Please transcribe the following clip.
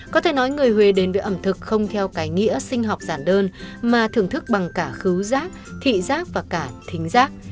có thể nói người huế đến với ẩm thực không theo cái nghĩa sinh học giản đơn mà thưởng thức bằng cả khứ rác thị giác và cả thính giác